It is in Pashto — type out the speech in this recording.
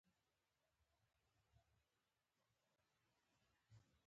زه کابل ته ولاړ شم نو له سنډکي سره ملګری شوم.